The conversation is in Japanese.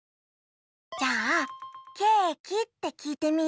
じゃあ「ケーキ？」ってきいてみようよ。